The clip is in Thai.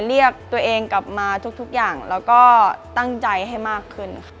เรียกตัวเองกลับมาทุกอย่างแล้วก็ตั้งใจให้มากขึ้นค่ะ